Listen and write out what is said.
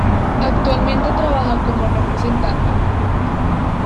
Actualmente trabaja como representante.